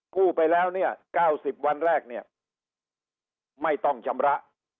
กู้ไปแล้วเนี่ย๙๐วันแรกเนี่ยไม่ต้องชำระ